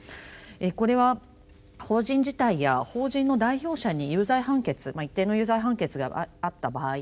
これは法人自体や法人の代表者に有罪判決一定の有罪判決があった場合に加えてですね